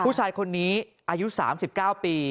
ผู้ชายคนนี้อายุ๓๙ปี